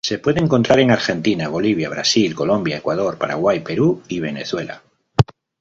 Se puede encontrar en Argentina, Bolivia, Brasil, Colombia, Ecuador, Paraguay, Perú y Venezuela.